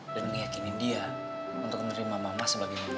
dan ngeyakinin dia untuk menerima mama sebagai mama barunya